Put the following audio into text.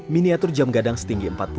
miniatur jam gadang setinggi empat puluh